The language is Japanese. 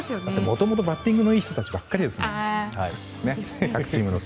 もともとバッティングのいい人たちばかりですもの。